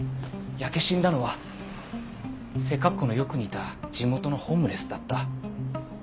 焼け死んだのは背格好のよく似た地元のホームレスだった。